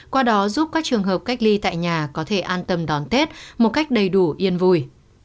qua đó giúp các trường hợp cách ly tại nhà có thể an tâm đón tết một cách đầy đủ yên vui